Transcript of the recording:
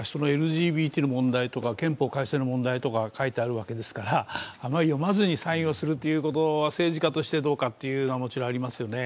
そのＬＧＢＴの問題とか、憲法改正の問題とか書いてあるわけですからあまり読まずにサインをすることは政治家としてどうかということはもちろんありますよね。